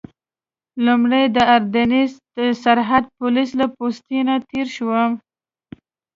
لومړی د اردني سرحدي پولیسو له پوستې نه تېر شوم.